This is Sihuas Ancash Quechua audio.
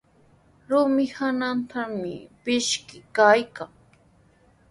Rumi hanantrawmi pishqu kaykan.